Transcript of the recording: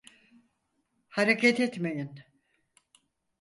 Hareket etmeyin!